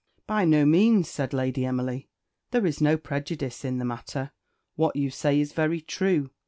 "By no means," said Lady Emily "there is no prejudice in the matter; what you say is very true.